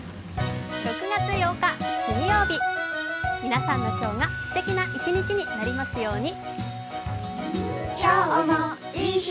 ６月８日、水曜日皆さんの今日がすてきな一日になりますように。